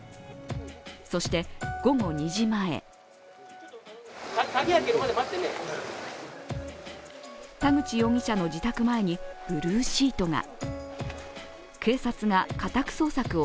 そして午後２時前田口容疑者の自宅前にブルーシートが。